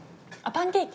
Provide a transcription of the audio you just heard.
パンケーキ。